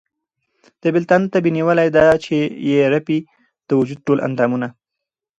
د بېلتانه تبې نيولی ، دا چې ئې رپي د وجود ټول اندامونه